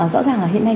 rõ ràng là hiện nay